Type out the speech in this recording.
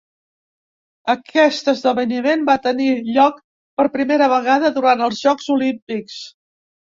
Aquest esdeveniment va tenir lloc per primera vegada durant els Jocs Olímpics.